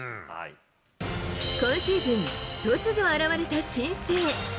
今シーズン、突如現れた新星。